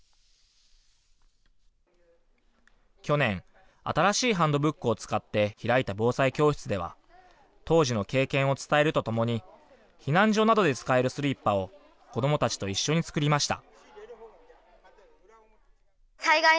去年、新しいハンドブックを使って開いた防災教室では、当時の経験を伝えるとともに、避難所などで使えるスリッパを、子どもたちと一緒に作りました。